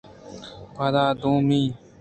پدا دومی